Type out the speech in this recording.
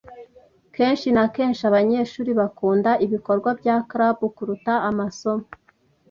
Kenshi na kenshi, abanyeshuri bakunda ibikorwa bya club kuruta amasomo.